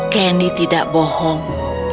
kenny tidak bohong